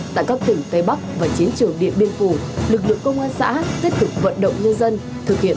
tại các tỉnh tây bắc và chiến trường điện biên phủ lực lượng công an xã tiếp tục vận động nhân dân